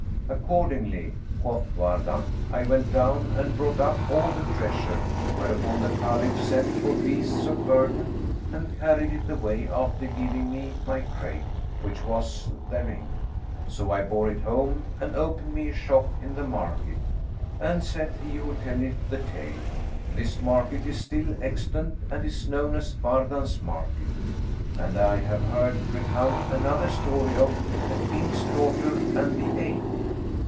'[FN#437] Accordingly (quoth Wardan) I went down and brought up all the treasure, whereupon the Caliph sent for beasts of burden and carried it away, after giving me my crate, with what was therein. So I bore it home and opened me a shop in the market." And (saith he who telleth the tale) "this market is still extant and is known as Wardan's Market." And I have heard recount another story of THE KING'S DAUGHTER AND THE APE.